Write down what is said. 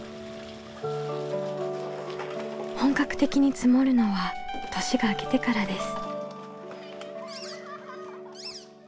本格的に積もるのは年が明けてからです。